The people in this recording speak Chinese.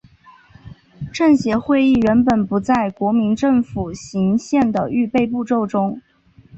政协会议原本不在国民政府行宪的预备步骤中。